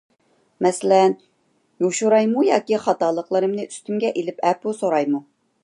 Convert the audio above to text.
مەسىلەن، يوشۇرايمۇ ياكى خاتالىقلىرىمنى ئۈستۈمگە ئېلىپ ئەپۇ سورايمۇ؟